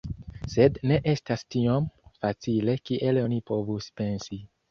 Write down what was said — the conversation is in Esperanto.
Sed ne estas tiom facile kiel oni povus pensi.